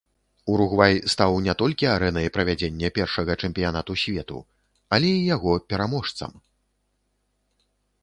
Уругвай стаў не толькі арэнай правядзення першага чэмпіянату свету, але і яго пераможцам.